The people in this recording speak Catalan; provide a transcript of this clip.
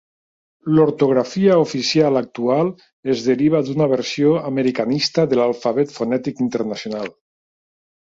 L'ortografia oficial actual es deriva d'una versió americanista de l'alfabet fonètic internacional.